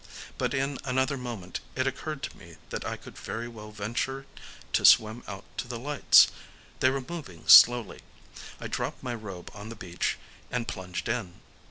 But in another moment it occurred to me that I could very well venture to swim out to the lights. They were moving slowly. I dropped my robe on the beach, and plunged in.